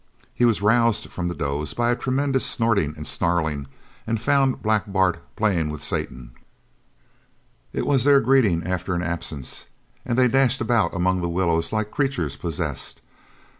He was roused from the doze by a tremendous snorting and snarling and found Black Bart playing with Satan. It was their greeting after an absence, and they dashed about among the willows like creatures possessed.